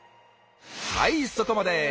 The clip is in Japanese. はいそこまで！